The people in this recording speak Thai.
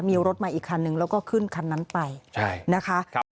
มีรถมาอีกคันนึงแล้วก็ขึ้นคันนั้นไปนะคะ